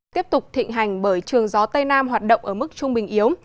tiếp tục thịnh hành bởi trường gió tây nam hoạt động ở mức trung bình yếu